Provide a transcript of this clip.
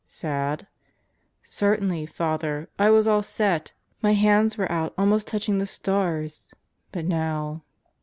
"Sad?" "Certainly, Father. I was all set. My hands were out almost touching the stars. But now